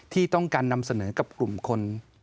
ที่ต้องการนำเสนอกับกลุ่มคน